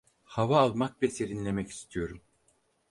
Hava almak ve serinlemek istiyorum.